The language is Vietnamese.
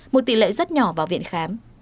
một tỷ lệ rất nhỏ vào viện khám